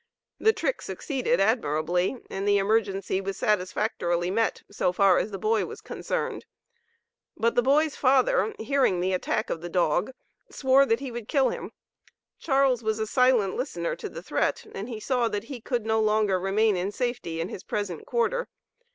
The trick succeeded admirably, and the emergency was satisfactorily met, so far as the boy was concerned, but the boy's father hearing the attack of the dog, swore that he would kill him. Charles was a silent listener to the threat, and he saw that he could no longer remain in safety in his present quarter.